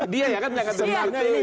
dia ya kan yang akan dengar